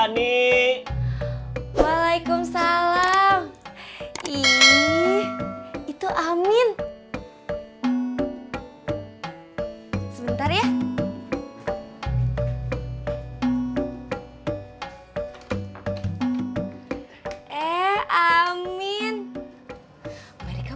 nah tapi pasi australia